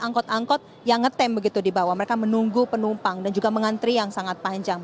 angkot angkot yang ngetem begitu di bawah mereka menunggu penumpang dan juga mengantri yang sangat panjang